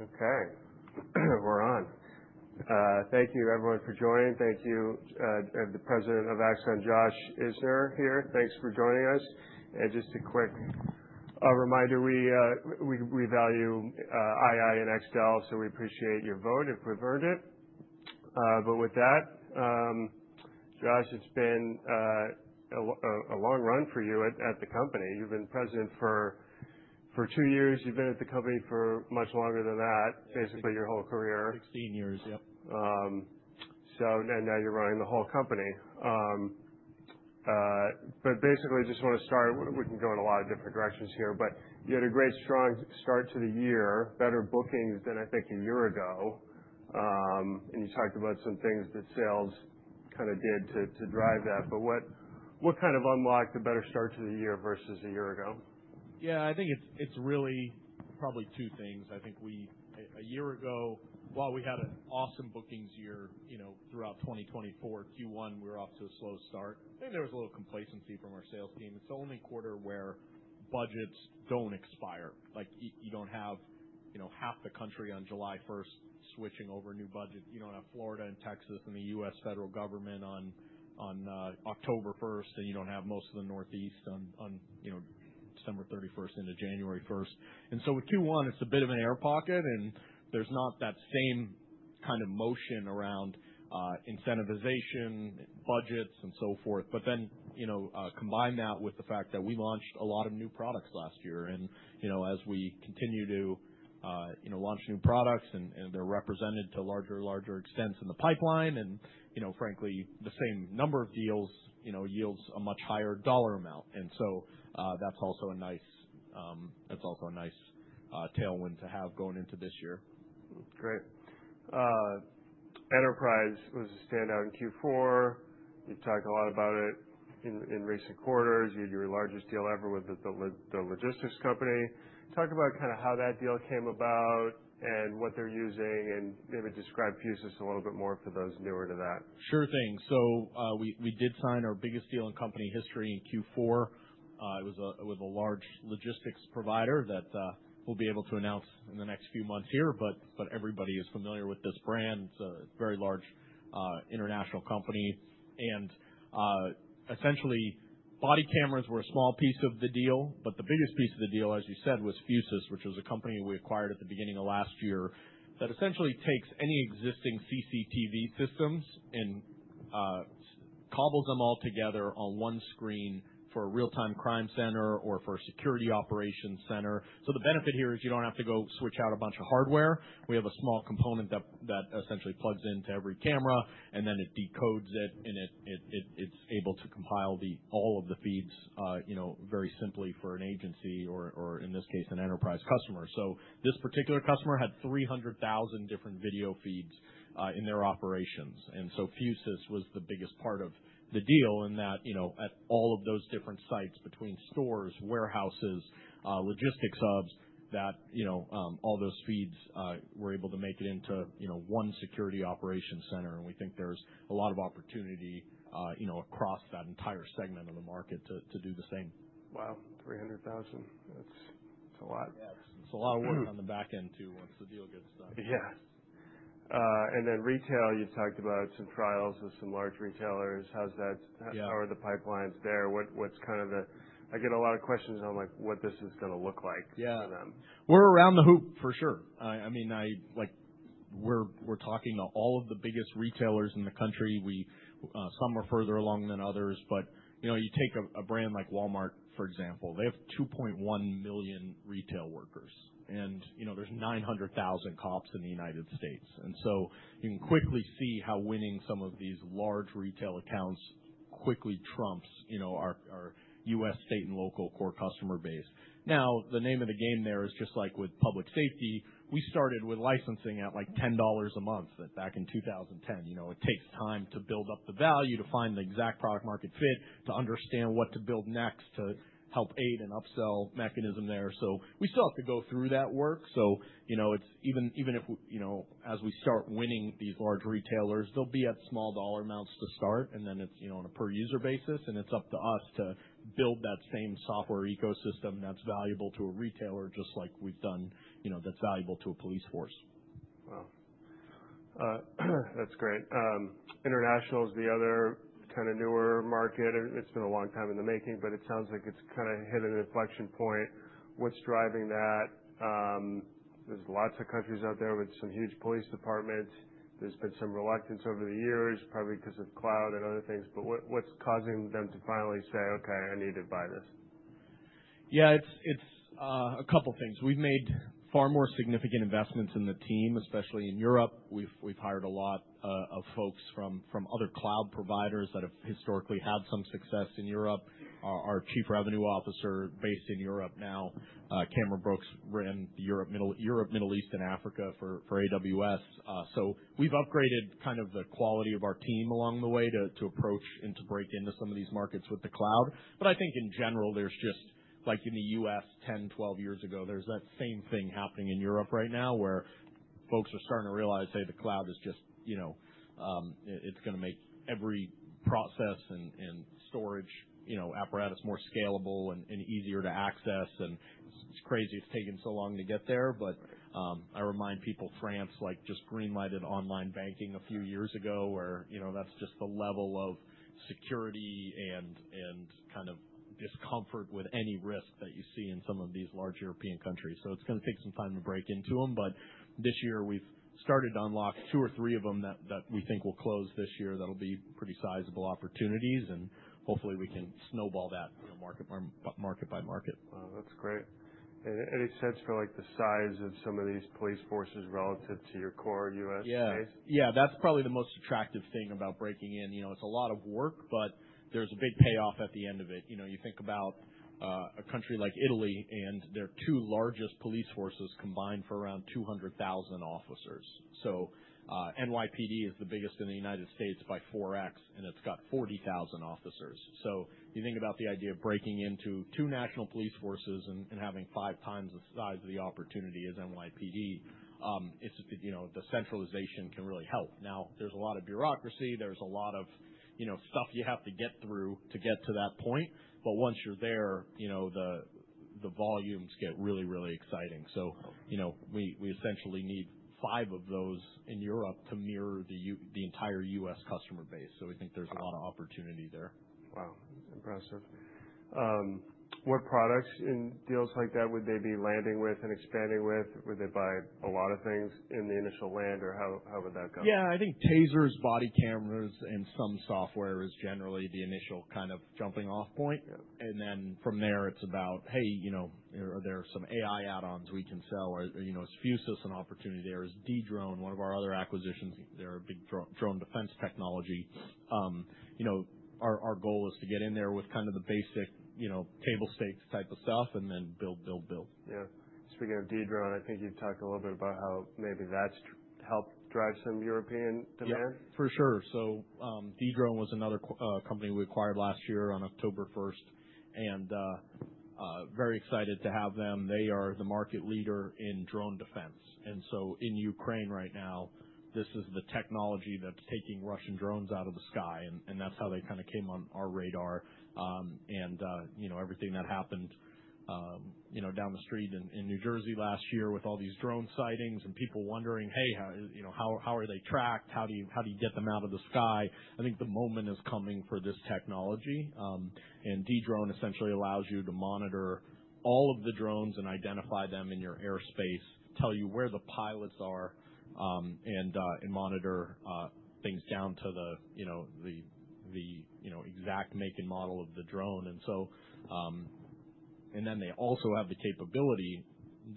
Okay, we're on. Thank you, everyone, for joining. Thank you, the President of Axon, Josh Isner, here. Thanks for joining us. And just a quick reminder, we value II and Extel, so we appreciate your vote if we've earned it. But with that, Josh, it's been a long run for you at the company. You've been President for two years. You've been at the company for much longer than that, basically your whole career. 16 years, yep. Now you're running the whole company. Basically, I just want to start. We can go in a lot of different directions here, but you had a great, strong start to the year, better bookings than, I think, a year ago. You talked about some things that sales kind of did to drive that. What kind of unlocked a better start to the year versus a year ago? Yeah, I think it's really probably two things. I think a year ago, while we had an awesome bookings year throughout 2024, Q1, we were off to a slow start, and there was a little complacency from our sales team. It's the only quarter where budgets don't expire. You don't have half the country on July 1st switching over new budgets. You don't have Florida and Texas and the U.S. federal government on October 1st, and you don't have most of the Northeast on December 31st into January 1st. And so with Q1, it's a bit of an air pocket, and there's not that same kind of motion around incentivization, budgets, and so forth, but then combine that with the fact that we launched a lot of new products last year. And as we continue to launch new products, and they're represented to larger and larger extents in the pipeline, and frankly, the same number of deals yields a much higher dollar amount. And so that's also a nice tailwind to have going into this year. Great. Enterprise was a standout in Q4. You've talked a lot about it in recent quarters. You had your largest deal ever with the logistics company. Talk about kind of how that deal came about and what they're using, and maybe describe Fusus a little bit more for those newer to that. Sure thing. So we did sign our biggest deal in company history in Q4. It was with a large logistics provider that we'll be able to announce in the next few months here. But everybody is familiar with this brand. It's a very large international company. And essentially, body cameras were a small piece of the deal, but the biggest piece of the deal, as you said, was Fusus, which was a company we acquired at the beginning of last year that essentially takes any existing CCTV systems and cobbles them all together on one screen for a real-time crime center or for a security operations center. So the benefit here is you don't have to go switch out a bunch of hardware. We have a small component that essentially plugs into every camera, and then it decodes it, and it's able to compile all of the feeds very simply for an agency or, in this case, an enterprise customer, so this particular customer had 300,000 different video feeds in their operations. And so Fusus was the biggest part of the deal in that at all of those different sites between stores, warehouses, logistics hubs, that all those feeds were able to make it into one security operations center, and we think there's a lot of opportunity across that entire segment of the market to do the same. Wow, 300,000. That's a lot. Yeah, it's a lot of work on the back end too once the deal gets done. Yes, and then retail, you talked about some trials with some large retailers. How are the pipelines there? What's kind of the—I get a lot of questions on what this is going to look like for them. Yeah, we're around the hoop, for sure. I mean, we're talking to all of the biggest retailers in the country. Some are further along than others, but you take a brand like Walmart, for example. They have 2.1 million retail workers, and there's 900,000 cops in the United States, and so you can quickly see how winning some of these large retail accounts quickly trumps our U.S. state and local core customer base. Now, the name of the game there is just like with public safety. We started with licensing at like $10 a month back in 2010. It takes time to build up the value, to find the exact product-market fit, to understand what to build next, to help aid an upsell mechanism there. So we still have to go through that work. So even if, as we start winning these large retailers, they'll be at small dollar amounts to start, and then it's on a per-user basis, and it's up to us to build that same software ecosystem that's valuable to a retailer just like we've done that's valuable to a police force. Wow. That's great. International is the other kind of newer market. It's been a long time in the making, but it sounds like it's kind of hit an inflection point. What's driving that? There's lots of countries out there with some huge police departments. There's been some reluctance over the years, probably because of cloud and other things. But what's causing them to finally say, "Okay, I need to buy this"? Yeah, it's a couple of things. We've made far more significant investments in the team, especially in Europe. We've hired a lot of folks from other cloud providers that have historically had some success in Europe. Our Chief Revenue Officer is based in Europe now. Cameron Brooks ran the Europe, Middle East, and Africa for AWS. So we've upgraded kind of the quality of our team along the way to approach and to break into some of these markets with the cloud. But I think in general, there's just like in the U.S. 10, 12 years ago, there's that same thing happening in Europe right now where folks are starting to realize, "Hey, the cloud is just, it's going to make every process and storage apparatus more scalable and easier to access." And it's crazy it's taken so long to get there. But I remind people France just greenlighted online banking a few years ago, where that's just the level of security and kind of discomfort with any risk that you see in some of these large European countries. So it's going to take some time to break into them. But this year, we've started to unlock two or three of them that we think will close this year. That'll be pretty sizable opportunities. And hopefully, we can snowball that market by market. Wow, that's great. And any sense for the size of some of these police forces relative to your core U.S. base? Yeah, that's probably the most attractive thing about breaking in. It's a lot of work, but there's a big payoff at the end of it. You think about a country like Italy, and their two largest police forces combined for around 200,000 officers. So NYPD is the biggest in the United States by 4x, and it's got 40,000 officers. So you think about the idea of breaking into two national police forces and having five times the size of the opportunity as NYPD, the centralization can really help. Now, there's a lot of bureaucracy. There's a lot of stuff you have to get through to get to that point. But once you're there, the volumes get really, really exciting. So we essentially need five of those in Europe to mirror the entire U.S. customer base. So we think there's a lot of opportunity there. Wow, impressive. What products and deals like that would they be landing with and expanding with? Would they buy a lot of things in the initial land, or how would that go? Yeah, I think Tasers, body cameras, and some software is generally the initial kind of jumping-off point. And then from there, it's about, "Hey, are there some AI add-ons we can sell?" Or is Fusus an opportunity there? Is Dedrone one of our other acquisitions? They're a big drone defense technology. Our goal is to get in there with kind of the basic table stakes type of stuff and then build, build, build. Yeah. Speaking of Dedrone, I think you've talked a little bit about how maybe that's helped drive some European demand? Yeah, for sure. So Dedrone was another company we acquired last year on October 1st, and very excited to have them. They are the market leader in drone defense. And so in Ukraine right now, this is the technology that's taking Russian drones out of the sky, and that's how they kind of came on our radar. And everything that happened down the street in New Jersey last year with all these drone sightings and people wondering, "Hey, how are they tracked? How do you get them out of the sky?" I think the moment is coming for this technology. And Dedrone essentially allows you to monitor all of the drones and identify them in your airspace, tell you where the pilots are, and monitor things down to the exact make and model of the drone. And then they also have the capability,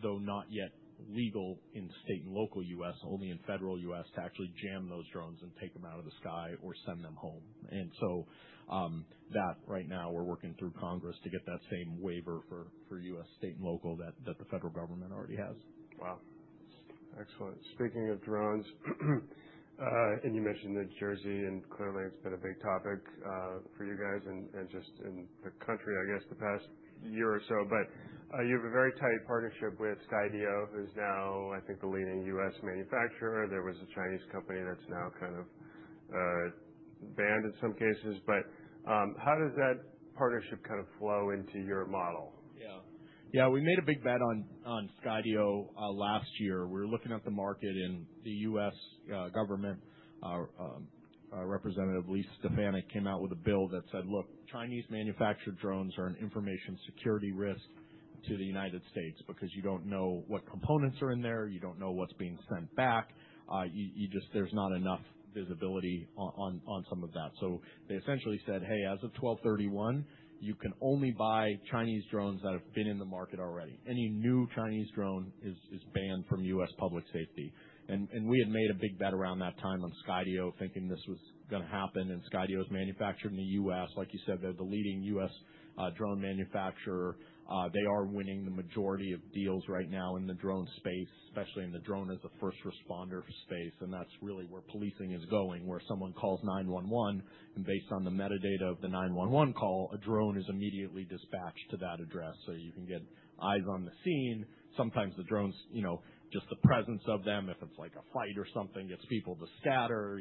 though not yet legal in state and local U.S., only in federal U.S., to actually jam those drones and take them out of the sky or send them home. And so that right now, we're working through Congress to get that same waiver for U.S. state and local that the federal government already has. Wow. Excellent. Speaking of drones, and you mentioned New Jersey, and clearly it's been a big topic for you guys and just in the country, I guess, the past year or so. But you have a very tight partnership with Skydio, who's now, I think, the leading U.S. manufacturer. There was a Chinese company that's now kind of banned in some cases. But how does that partnership kind of flow into your model? Yeah, we made a big bet on Skydio last year. We were looking at the market, and the U.S. government representative, Elise Stefanik, came out with a bill that said, "Look, Chinese manufactured drones are an information security risk to the United States because you don't know what components are in there. You don't know what's being sent back. There's not enough visibility on some of that." So they essentially said, "Hey, as of 12/31, you can only buy Chinese drones that have been in the market already. Any new Chinese drone is banned from U.S. public safety." And we had made a big bet around that time on Skydio, thinking this was going to happen. And Skydio is manufactured in the U.S. Like you said, they're the leading U.S. drone manufacturer. They are winning the majority of deals right now in the drone space, especially in the drone as a first responder space. And that's really where policing is going, where someone calls 911, and based on the metadata of the 911 call, a drone is immediately dispatched to that address so you can get eyes on the scene. Sometimes the drones, just the presence of them, if it's like a fight or something, gets people to scatter.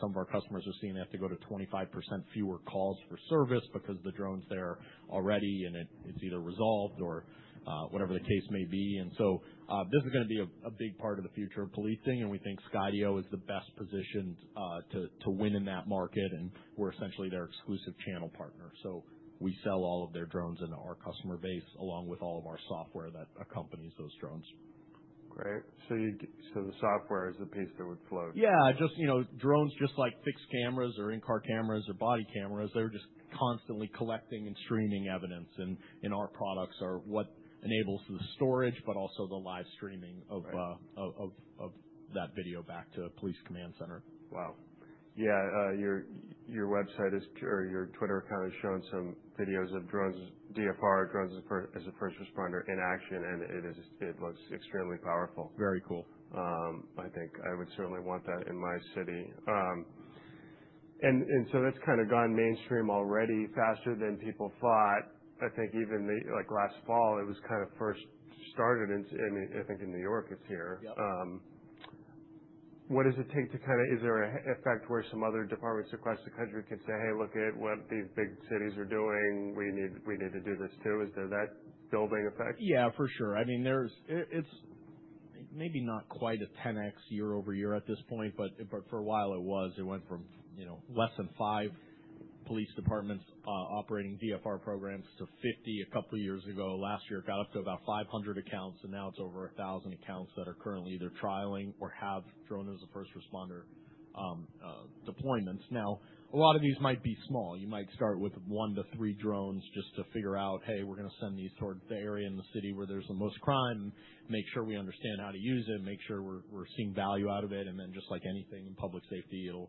Some of our customers are seeing they have to go to 25% fewer calls for service because the drones there are ready, and it's either resolved or whatever the case may be. And so this is going to be a big part of the future of policing, and we think Skydio is the best positioned to win in that market, and we're essentially their exclusive channel partner. So we sell all of their drones into our customer base along with all of our software that accompanies those drones. Great. So the software is the piece that would float? Yeah, just drones, just like fixed cameras or in-car cameras or body cameras, they're just constantly collecting and streaming evidence, and our products are what enables the storage, but also the live streaming of that video back to a police command center. Wow. Yeah, your website or your Twitter account has shown some videos of drones, DFR, drones as a first responder in action, and it looks extremely powerful. Very cool. I think I would certainly want that in my city, and so that's kind of gone mainstream already faster than people thought. I think even last fall, it was kind of first started. I mean, I think in New York, it's here. Is there an effect where some other departments across the country can say, "Hey, look at what these big cities are doing. We need to do this too"? Is there that building effect? Yeah, for sure. I mean, it's maybe not quite a 10x year-over-year at this point, but for a while it was. It went from less than five police departments operating DFR programs to 50 a couple of years ago. Last year, it got up to about 500 accounts, and now it's over 1,000 accounts that are currently either trialing or have drones as a first responder deployments. Now, a lot of these might be small. You might start with one to three drones just to figure out, "Hey, we're going to send these towards the area in the city where there's the most crime," and make sure we understand how to use it, make sure we're seeing value out of it, and then just like anything in public safety, it'll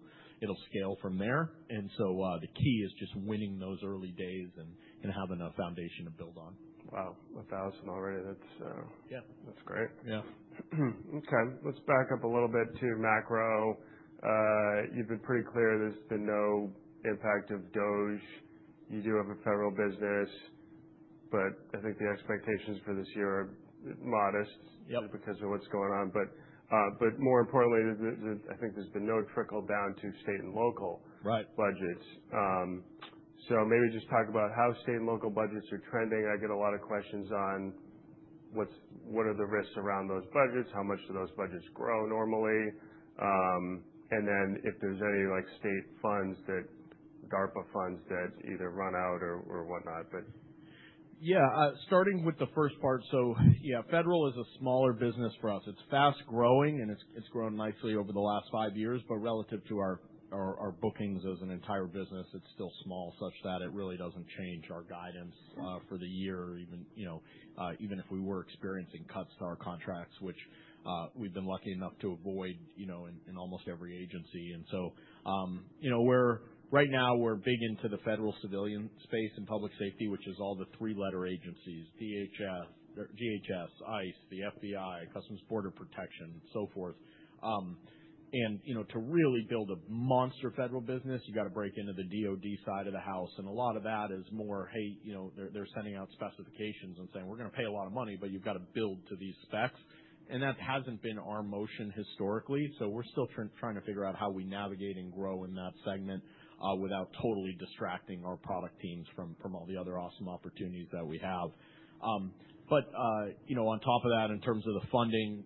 scale from there. The key is just winning those early days and having a foundation to build on. Wow, 1,000 already. That's great. Okay. Let's back up a little bit to macro. You've been pretty clear. There's been no impact of DOGE. You do have a federal business, but I think the expectations for this year are modest because of what's going on. But more importantly, I think there's been no trickle down to state and local budgets. So maybe just talk about how state and local budgets are trending. I get a lot of questions on what are the risks around those budgets, how much do those budgets grow normally, and then if there's any state funds, the ARPA funds that either run out or whatnot. Yeah, starting with the first part. So yeah, federal is a smaller business for us. It's fast growing, and it's grown nicely over the last five years. But relative to our bookings as an entire business, it's still small such that it really doesn't change our guidance for the year, even if we were experiencing cuts to our contracts, which we've been lucky enough to avoid in almost every agency. And so right now, we're big into the federal civilian space and public safety, which is all the three-letter agencies: DHS, GSA, ICE, the FBI, Customs Border Protection, and so forth. And to really build a monster federal business, you got to break into the DOD side of the house. And a lot of that is more, "Hey, they're sending out specifications and saying, 'We're going to pay a lot of money, but you've got to build to these specs.'" And that hasn't been our motion historically. So we're still trying to figure out how we navigate and grow in that segment without totally distracting our product teams from all the other awesome opportunities that we have. But on top of that, in terms of the funding,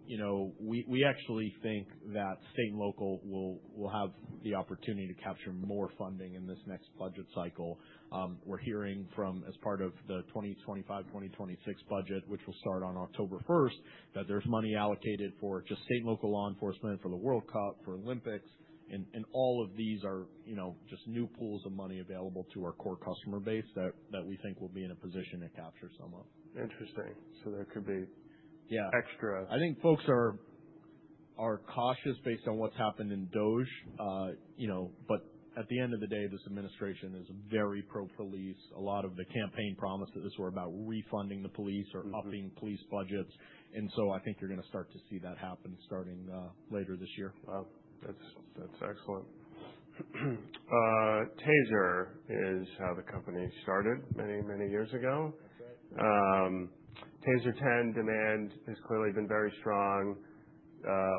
we actually think that state and local will have the opportunity to capture more funding in this next budget cycle. We're hearing from, as part of the 2025-2026 budget, which will start on October 1st, that there's money allocated for just state and local law enforcement, for the World Cup, for Olympics. All of these are just new pools of money available to our core customer base that we think will be in a position to capture some of. Interesting. So there could be extra. I think folks are cautious based on what's happened in DOGE. But at the end of the day, this administration is very pro-police. A lot of the campaign promises were about refunding the police or upping police budgets. And so I think you're going to start to see that happen starting later this year. Wow, that's excellent. Taser is how the company started many, many years ago. Taser 10 demand has clearly been very strong.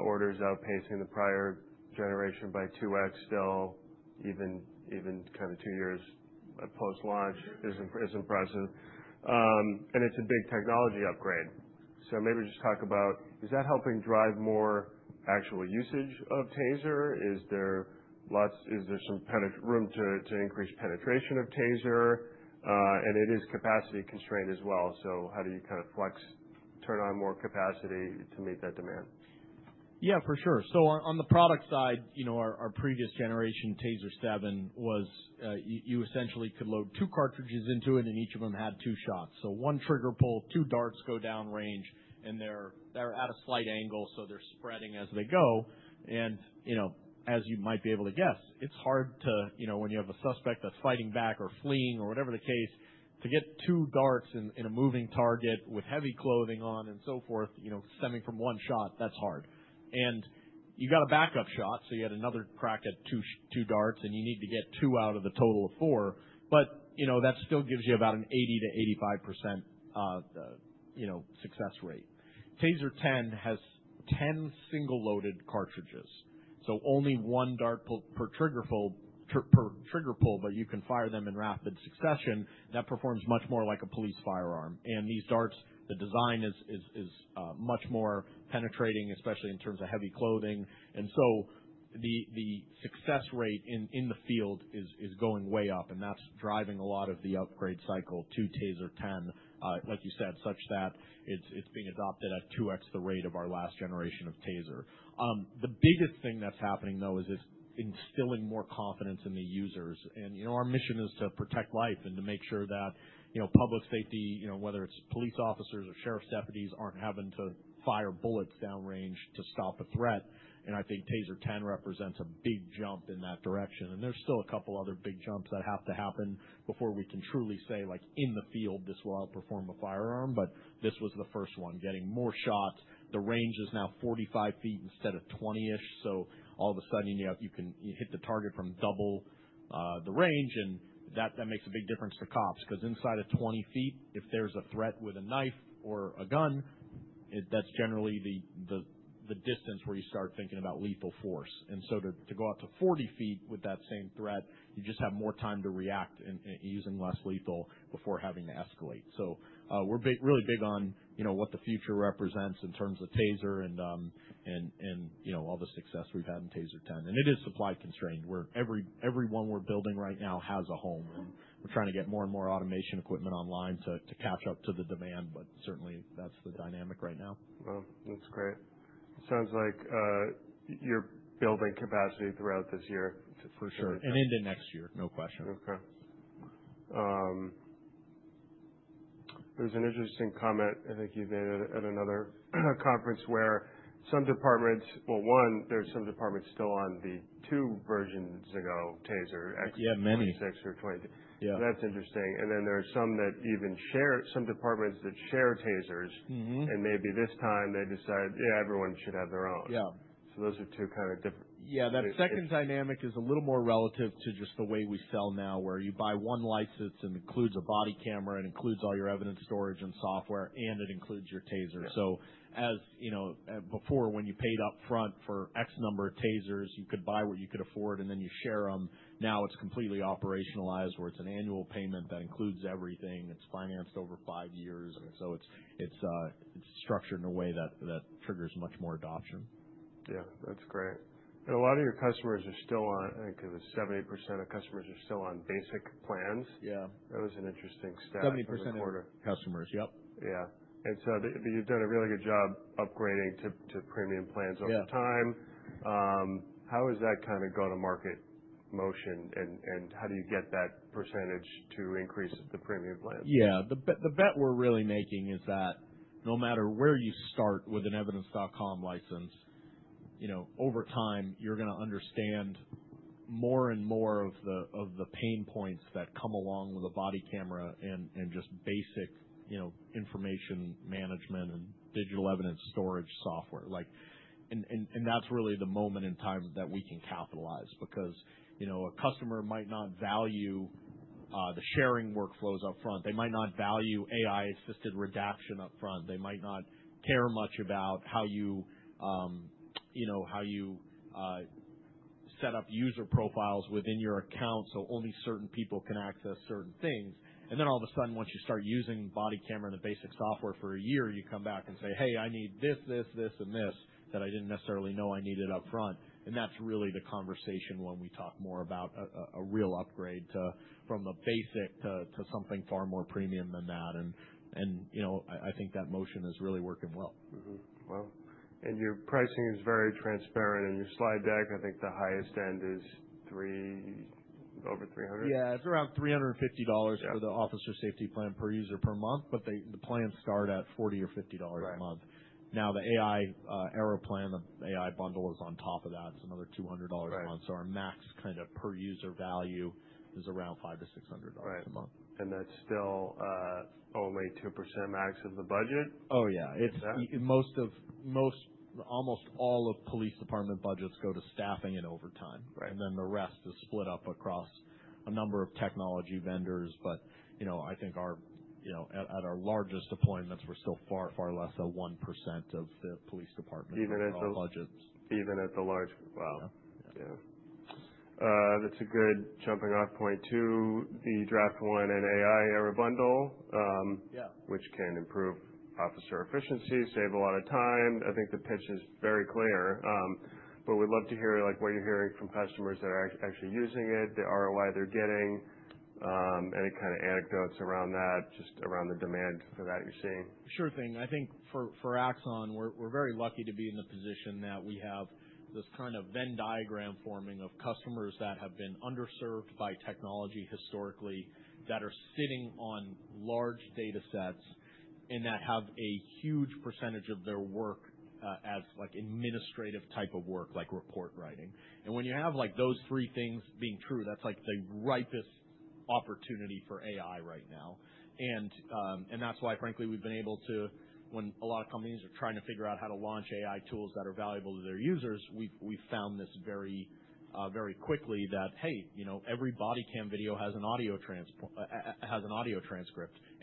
Orders outpacing the prior generation by 2x still, even kind of two years post-launch, is impressive, and it's a big technology upgrade. So maybe just talk about, is that helping drive more actual usage of Taser? Is there some room to increase penetration of Taser? And it is capacity constrained as well. So how do you kind of flex, turn on more capacity to meet that demand? Yeah, for sure. So on the product side, our previous generation Taser 7 was you essentially could load two cartridges into it, and each of them had two shots. So one trigger pull, two darts go down range, and they're at a slight angle, so they're spreading as they go. And as you might be able to guess, it's hard when you have a suspect that's fighting back or fleeing or whatever the case to get two darts in a moving target with heavy clothing on and so forth, stemming from one shot. That's hard. And you got a backup shot, so you had another crack at two darts, and you need to get two out of the total of four. But that still gives you about an 80%-85% success rate. Taser 10 has 10 single-loaded cartridges. Only one dart per trigger pull, but you can fire them in rapid succession. That performs much more like a police firearm. These darts, the design is much more penetrating, especially in terms of heavy clothing. The success rate in the field is going way up, and that's driving a lot of the upgrade cycle to Taser 10, like you said, such that it's being adopted at 2x the rate of our last generation of Taser. The biggest thing that's happening, though, is instilling more confidence in the users. Our mission is to protect life and to make sure that public safety, whether it's police officers or sheriff's deputies, aren't having to fire bullets down range to stop a threat. I think Taser 10 represents a big jump in that direction. There's still a couple of other big jumps that have to happen before we can truly say, in the field, this will outperform a firearm. This was the first one, getting more shots. The range is now 45 ft instead of 20-ish. All of a sudden, you can hit the target from double the range. That makes a big difference to cops because inside of 20 ft, if there's a threat with a knife or a gun, that's generally the distance where you start thinking about lethal force. To go out to 40 ft with that same threat, you just have more time to react and using less lethal before having to escalate. We're really big on what the future represents in terms of Taser and all the success we've had in Taser 10. It is supply constrained. Every one we're building right now has a home, and we're trying to get more and more automation equipment online to catch up to the demand, but certainly, that's the dynamic right now. Wow, that's great. It sounds like you're building capacity throughout this year. For sure, and into next year, no question. Okay. There's an interesting comment. I think you made it at another conference where some departments, well, one, there's some departments still on the two versions ago of Taser, X26 or X2. That's interesting. And then there are some departments that share Tasers, and maybe this time they decide, "Yeah, everyone should have their own." So those are two kind of different. Yeah, that second dynamic is a little more relative to just the way we sell now, where you buy one license and it includes a body camera and includes all your evidence storage and software, and it includes your Taser. So before, when you paid upfront for x number of Tasers, you could buy what you could afford, and then you share them. Now it's completely operationalized where it's an annual payment that includes everything. It's financed over five years. And so it's structured in a way that triggers much more adoption. Yeah, that's great. And a lot of your customers are still on—I think it was 70% of customers are still on basic plans. That was an interesting stat. 70% of customers, yep. Yeah, and so you've done a really good job upgrading to premium plans over time. How is that kind of go-to-market motion, and how do you get that percentage to increase the premium plans? Yeah. The bet we're really making is that no matter where you start with an Evidence.com license, over time, you're going to understand more and more of the pain points that come along with a body camera and just basic information management and digital evidence storage software. And that's really the moment in time that we can capitalize because a customer might not value the sharing workflows upfront. They might not value AI-assisted redaction upfront. They might not care much about how you set up user profiles within your account so only certain people can access certain things. And then all of a sudden, once you start using body camera and the basic software for a year, you come back and say, "Hey, I need this, this, this, and this that I didn't necessarily know I needed upfront." And that's really the conversation when we talk more about a real upgrade from the basic to something far more premium than that. And I think that motion is really working well. Wow. And your pricing is very transparent. In your slide deck, I think the highest end is over $300. Yeah, it's around $350 for the Officer Safety Plan per user per month, but the plans start at $40 or $50 a month. Now, the AI Era Plan, the AI bundle is on top of that. It's another $200 a month. So our max kind of per user value is around $500-$600 a month. And that's still only 2% max of the budget? Oh, yeah. Almost all of police department budgets go to staffing and overtime. And then the rest is split up across a number of technology vendors. But I think at our largest deployments, we're still far, far less than 1% of the police department budgets. Yeah. That's a good jumping-off point to the Draft One and AI Era Bundle, which can improve officer efficiency, save a lot of time. I think the pitch is very clear. But we'd love to hear what you're hearing from customers that are actually using it, the ROI they're getting, any kind of anecdotes around that, just around the demand for that you're seeing. Sure thing. I think for Axon, we're very lucky to be in the position that we have this kind of Venn diagram forming of customers that have been underserved by technology historically, that are sitting on large datasets, and that have a huge percentage of their work as administrative type of work, like report writing, and when you have those three things being true, that's the ripest opportunity for AI right now, and that's why, frankly, we've been able to, when a lot of companies are trying to figure out how to launch AI tools that are valuable to their users, we've found this very quickly that, "Hey, every body cam video has an audio transcript."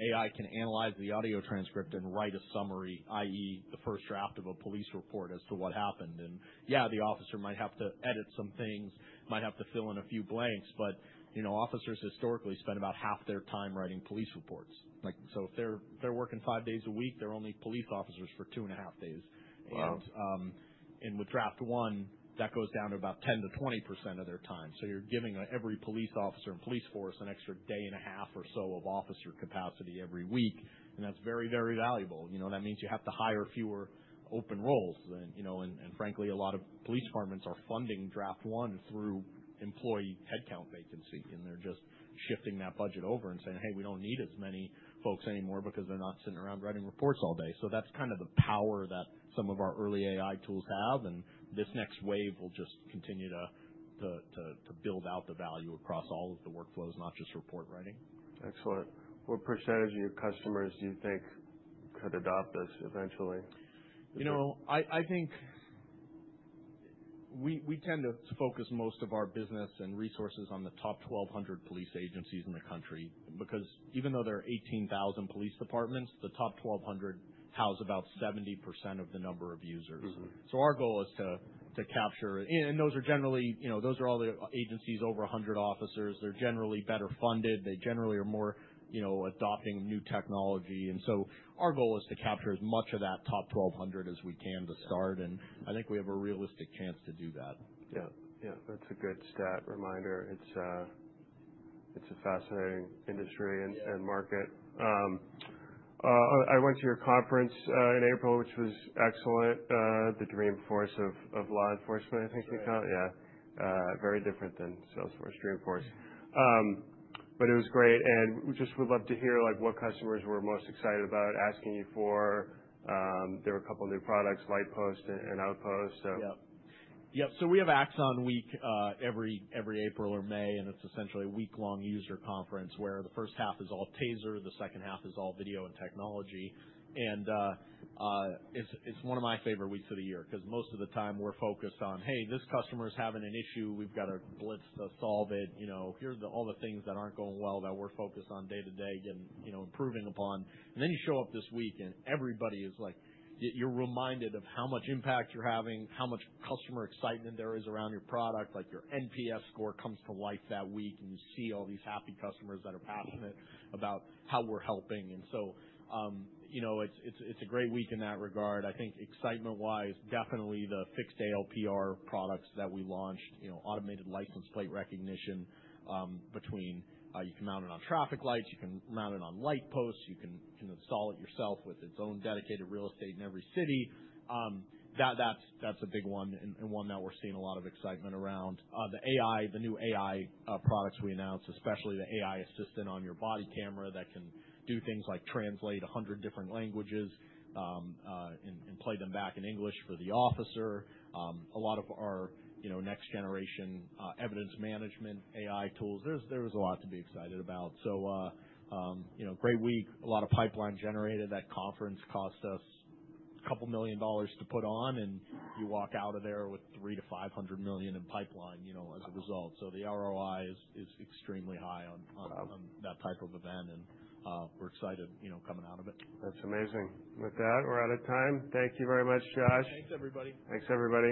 AI can analyze the audio transcript and write a summary, i.e., the first draft of a police report as to what happened. Yeah, the officer might have to edit some things, might have to fill in a few blanks, but officers historically spend about half their time writing police reports. So if they're working five days a week, they're only police officers for 2 1/2 days. And with Draft One, that goes down to about 10%-20% of their time. So you're giving every police officer and police force an extra day and a half or so of officer capacity every week. And that's very, very valuable. That means you have to hire fewer open roles. And frankly, a lot of police departments are funding Draft One through employee headcount vacancy. And they're just shifting that budget over and saying, "Hey, we don't need as many folks anymore because they're not sitting around writing reports all day." So that's kind of the power that some of our early AI tools have. And this next wave will just continue to build out the value across all of the workflows, not just report writing. Excellent. What percentage of your customers do you think could adopt this eventually? I think we tend to focus most of our business and resources on the top 1,200 police agencies in the country because even though there are 18,000 police departments, the top 1,200 house about 70% of the number of users. So our goal is to capture, and those are generally all the agencies over 100 officers. They're generally better funded. They generally are more adopting new technology. And so our goal is to capture as much of that top 1,200 as we can to start, and I think we have a realistic chance to do that. Yeah. Yeah. That's a good stat reminder. It's a fascinating industry and market. I went to your conference in April, which was excellent. The Dreamforce of law enforcement, I think you call it. Yeah. Very different than Salesforce, Dreamforce. But it was great. And we just would love to hear what customers were most excited about asking you for. There were a couple of new products, Lightpost and Outpost, so. Yep. Yep. So we have Axon Week every April or May, and it's essentially a week-long user conference where the first half is all Taser, the second half is all video and technology. And it's one of my favorite weeks of the year because most of the time we're focused on, "Hey, this customer is having an issue. We've got a blitz to solve it. Here's all the things that aren't going well that we're focused on day to day improving upon." And then you show up this week, and everybody is like—you're reminded of how much impact you're having, how much customer excitement there is around your product. Your NPS score comes to life that week, and you see all these happy customers that are passionate about how we're helping. And so it's a great week in that regard. I think excitement-wise, definitely the fixed ALPR products that we launched, automated license plate recognition. You can mount it on traffic lights, you can mount it on Lightpost, you can install it yourself with its own dedicated real estate in every city. That's a big one and one that we're seeing a lot of excitement around. The new AI products we announced, especially the AI assistant on your body camera that can do things like translate 100 different languages and play them back in English for the officer. A lot of our next-generation evidence management AI tools. There was a lot to be excited about. So great week. A lot of pipeline generated. That conference cost us $2 million to put on, and you walk out of there with $300 million-$500 million in pipeline as a result. So the ROI is extremely high on that type of event, and we're excited coming out of it. That's amazing. With that, we're out of time. Thank you very much, Josh. Thanks, everybody. Thanks, everybody.